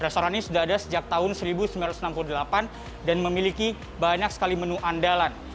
restoran ini sudah ada sejak tahun seribu sembilan ratus enam puluh delapan dan memiliki banyak sekali menu andalan